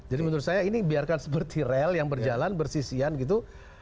jadi menurut saya ini biarkan seperti rel yang berjalan bersisian gitu